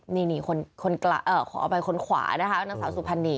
นี่ขอเอาไปคนขวานะคะนางสาวสุภัณฑ์นี